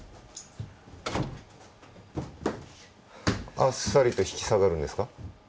あっさりと引き下がるんですか？